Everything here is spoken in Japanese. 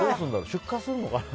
出荷するのかな。